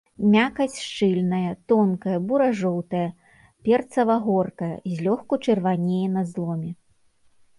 Мякаць шчыльная, тонкая, бура-жоўтая, перцава-горкая, злёгку чырванее на зломе.